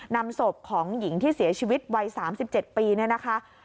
นำศพของหญิงที่เสียชีวิตวัย๓๗ปีเนี่ยนะคะ